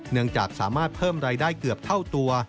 เนื่องจากสามารถเพิ่มรายได้เกือบเท่าตัว